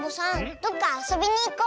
どっかあそびにいこう。